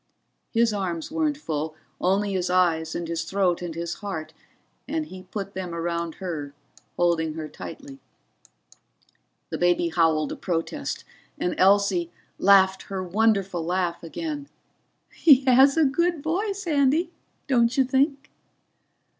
His arms weren't full only his eyes and his throat and his heart and he put them around her, holding her tightly. The baby howled a protest, and Elsie, laughed her wonderful laugh again. "He has a good voice, Andy, don't you think?"